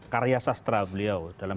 karya sastra beliau dalam